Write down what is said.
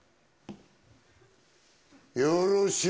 よろしゅう